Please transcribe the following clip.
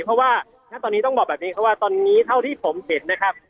เพราะว่าณตอนนี้ต้องบอกแบบนี้ครับว่าตอนนี้เท่าที่ผมเห็นนะครับ